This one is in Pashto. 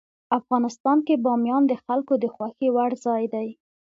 افغانستان کې بامیان د خلکو د خوښې وړ ځای دی.